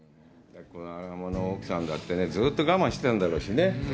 奥さんだって、ずっと我慢してたんだろうしね。